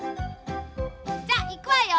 じゃあいくわよ。